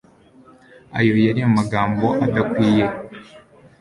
ayo yari amagambo adakwiye